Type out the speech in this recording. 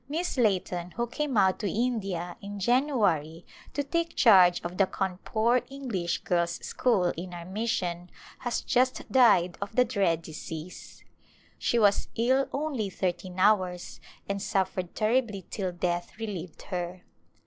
Miss Layton who came out to India in January to take charge of the Cawnpore English Girls' School in our mission has just died of the dread disease. She was ill only thirteen hours and suffered terribly till death relieved her.